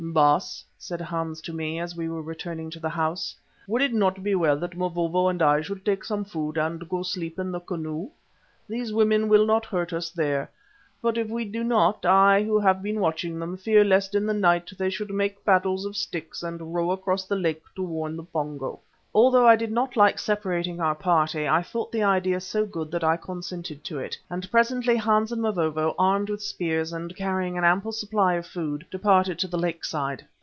"Baas," said Hans to me, as we were returning to the house, "would it not be well that Mavovo and I should take some food and go sleep in the canoe? These women will not hurt us there, but if we do not, I, who have been watching them, fear lest in the night they should make paddles of sticks and row across the lake to warn the Pongo." Although I did not like separating our small party, I thought the idea so good that I consented to it, and presently Hans and Mavovo, armed with spears and carrying an ample supply of food, departed to the lake side.